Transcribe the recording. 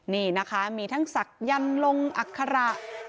นี่นะคะมีทั้งสักยันทร์ลงอัครดิ์ยันทร์